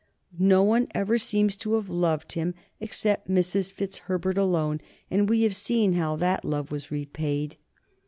No one ever seems to have loved him except Mrs. Fitzherbert alone, and we have seen how that love was repaid.